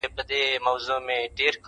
د عقل بندیوانو د حساب کړۍ ماتېږي،